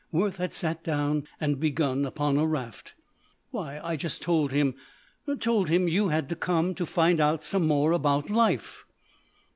Worth had sat down and begun upon a raft. "Why, I just told him. Told him you had come to find out some more about life."